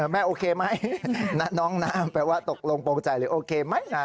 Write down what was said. แม่โอเคไหมน้องน้ำแปลว่าตกลงโปรงใจหรือโอเคไหมนะ